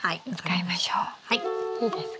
いいですか？